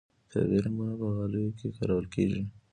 طبیعي رنګونه په غالیو کې کارول کیږي